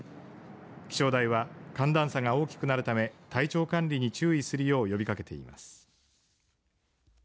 気象台は寒暖差が大きくなるため体調管理に注意するよう呼びかけています。